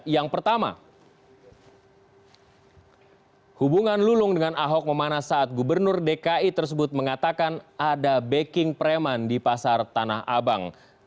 yang pertama hubungan lulung dengan ahok memanas saat gubernur dki tersebut mengatakan ada backing preman di pasar tanah abang